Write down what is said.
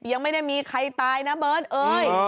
ยังไม่ได้มีใครตายนะเบิร์ตเอ้ย